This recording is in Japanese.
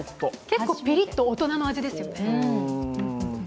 結構ピリッと大人の味ですよね。